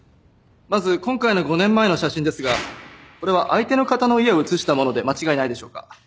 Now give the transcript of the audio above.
まず今回の５年前の写真ですがこれは相手の方の家を写した物で間違いないでしょうか？